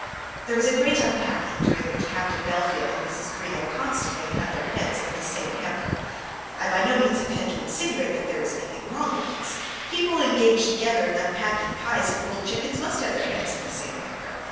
There was a great unpacking, during which Captain Bellfield and Mrs. Greenow constantly had their heads in the same hamper. I by no means intend to insinuate that there was anything wrong in this. People engaged together in unpacking pies and cold chickens must have their heads in the same hamper.